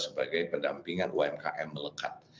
sebagai pendampingan umkm melekat